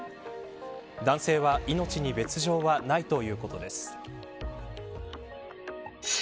男性は命に別条はないということです。